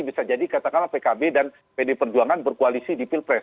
bisa jadi katakanlah pkb dan pd perjuangan berkoalisi di pilpres